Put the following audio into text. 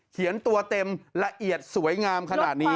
ตัวเต็มละเอียดสวยงามขนาดนี้